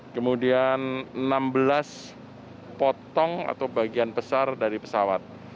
kemudian enam belas potong atau bagian besar dari pesawat